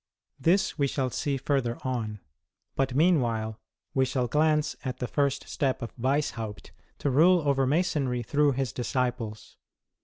This we shall see further on; but, meanwhile, we shall glance at the first step of Weishaupt to rule over Masonry through his disciples.